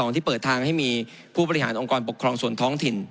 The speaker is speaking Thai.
ที่เปิดทางให้มีผู้บริหารองค์กรปกครองส่วนท้องถิ่น